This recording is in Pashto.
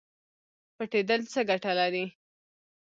پټیدل څه ګټه لري؟